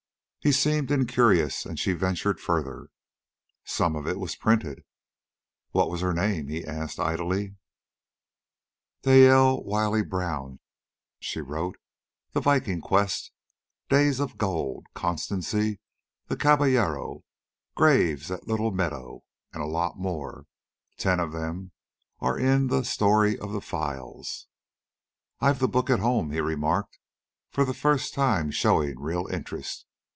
He seemed incurious, and she ventured further. "Some of it was printed." "What was her name?" he asked idly. "Dayelle Wiley Brown. She wrote: 'The Viking's Quest'; 'Days of Gold'; 'Constancy'; 'The Caballero'; 'Graves at Little Meadow'; and a lot more. Ten of them are in 'The Story of the Files.'" "I've the book at home," he remarked, for the first time showing real interest.